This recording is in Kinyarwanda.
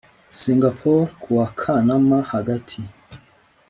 Singapore ku wa kanama hagati